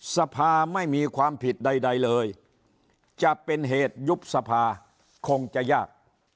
สภาไม่มีความผิดใดเลยจะเป็นเหตุยุบสภาคงจะยาก